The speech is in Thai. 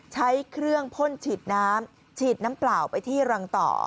ใช้เครื่องพ่นฉีดน้ำฉีดน้ำเปล่าไปที่รังต่อ